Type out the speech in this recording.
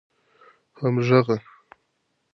همږغه